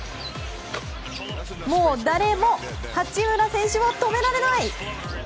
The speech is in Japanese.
もう誰も八村選手を止められない。